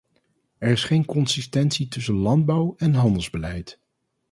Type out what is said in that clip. Er is geen consistentie tussen landbouw- en handelsbeleid.